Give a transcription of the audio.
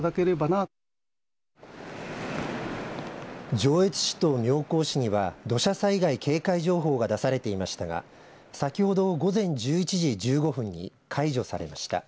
上越市と妙高市には土砂災害警戒情報が出されていましたが先ほど午前１１時１５分に解除されました。